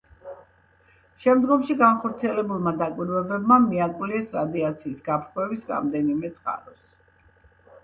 შემდგომში განხორციელებულმა დაკვირვებებმა მიაკვლიეს რადიაციის გაფრქვევის რამდენიმე წყაროს.